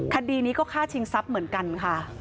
คดีนี้ก็ฆ่าชิงทรัพย์เหมือนกันค่ะ